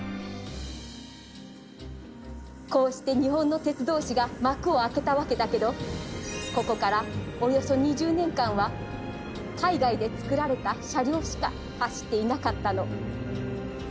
こうして日本の鉄道史が幕を開けたわけだけどここからおよそ２０年間は海外で作られた車両しか走っていなかったの。